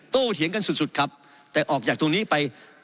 เถียงกันสุดสุดครับแต่ออกจากตรงนี้ไป